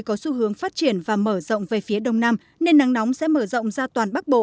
có xu hướng phát triển và mở rộng về phía đông nam nên nắng nóng sẽ mở rộng ra toàn bắc bộ